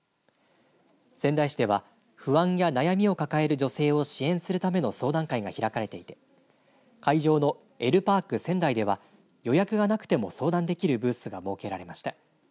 仙台市では不安や悩みを抱える女性を支援するための相談会が開かれていて会場のエル・パーク仙台では予約がなくても相談できるブースが設けられました。